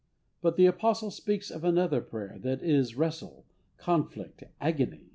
But the Apostle speaks of another prayer that is wrestle, conflict, "agony."